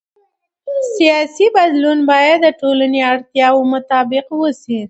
سیاسي بدلون باید د ټولنې اړتیاوو مطابق وشي